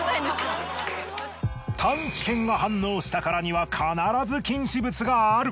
探知犬が反応したからには必ず禁止物がある。